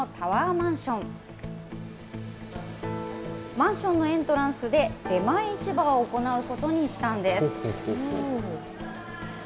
マンションのエントランスで、出前市場を行うことにしたんです。